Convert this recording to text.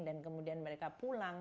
dan kemudian mereka pulang